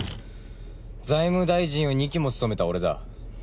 財務大臣を二期も務めた俺だ。